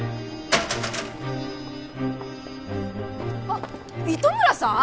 あっ糸村さん！？